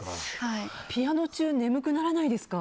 ピアノ中眠くならないですか？